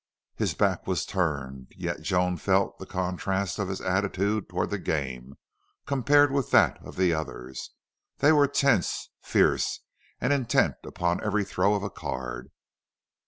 His back was turned, yet Joan felt the contrast of his attitude toward the game, compared with that of the others. They were tense, fierce, and intent upon every throw of a card.